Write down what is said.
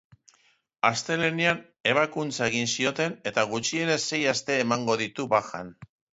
Astelehenean ebakuntza egin zioten eta gutxienez sei aste emango ditu bajan.